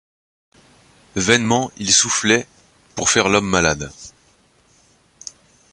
Vainement il soufflait, pour faire l’homme malade.